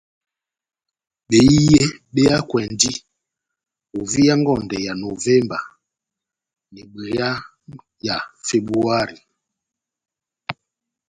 Behiye be hakwɛndi ovia ngondɛ ya Novemba n'ibwea ya Febuari.